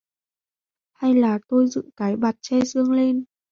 Hay là tôi dựng cái bạt che sương lên